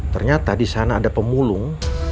ternyata di sana ada pemulung